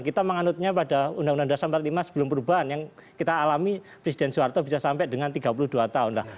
kita menganutnya pada undang undang dasar empat puluh lima sebelum perubahan yang kita alami presiden soeharto bisa sampai dengan tiga puluh dua tahun